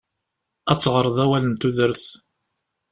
Ad teɣreḍ awal n tudert.